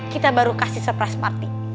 kita baru kasih surprise party